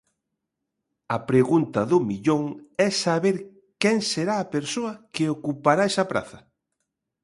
A pregunta do millón é saber quen será a persoa que ocupará esa praza.